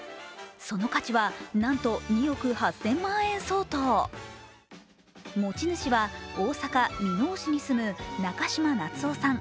その価値はなんと２億８０００万円相当持ち主は大阪箕面市に住む中嶋夏男さん